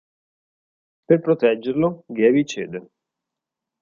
Per proteggerlo, Gaby cede.